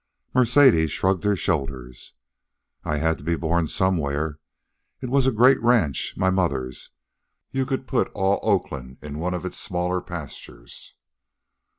Mercedes shrugged her shoulders. "I had to be born somewhere. It was a great ranch, my mother's. You could put all Oakland in one of its smallest pastures."